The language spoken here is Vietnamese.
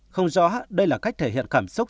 không rõ đây là cách thể hiện cảm xúc